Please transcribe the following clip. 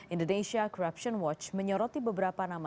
indonesia corruption watch menyoroti beberapa nama